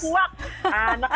aslinya gak kuat